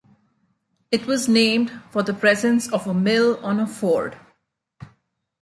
It was named for the presence of a mill on a ford.